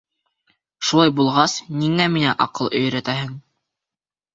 Шулай булғас, ниңә миңә аҡыл өйрәтәһең?